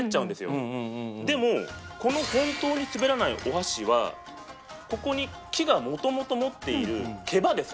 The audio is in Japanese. でもこのほんとうにすべらないお箸はここに木がもともと持っている毛羽ですね